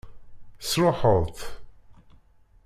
Tesṛuḥeḍ-t?